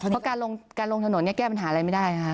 เพราะการลงถนนเนี่ยแก้ปัญหาอะไรไม่ได้นะคะ